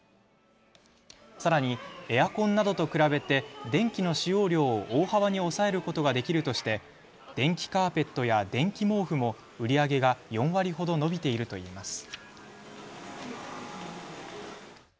さらにエアコンなどと比べて電気の使用量を大幅に抑えることができるとして電気カーペットや電気毛布も売り上げが４割ほど伸びているといいます。